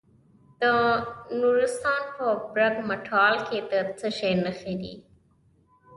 د نورستان په برګ مټال کې د څه شي نښې دي؟